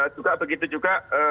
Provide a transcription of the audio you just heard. juga begitu juga